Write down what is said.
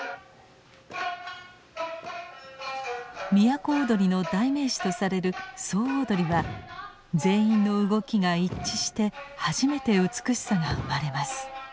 都をどりの代名詞とされる「総をどり」は全員の動きが一致して初めて美しさが生まれます。